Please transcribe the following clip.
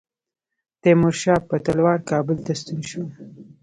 تیمورشاه په تلوار کابل ته ستون شو.